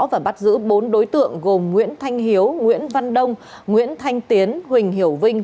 và bắt giữ bốn đối tượng gồm nguyễn thanh hiếu nguyễn văn đông nguyễn thanh tiến huỳnh hiểu vinh